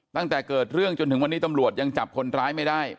ตั้งแต่เกิดเรื่องจนถึงวันนี้ตำรวจยังจับคนร้ายไม่ได้